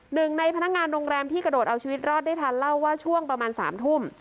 หนึ่งในพนักงานโรงแรมที่กระโดดเอาชีวิตรอดได้ทันเล่าว่าช่วงประมาณ๓ทุ่ม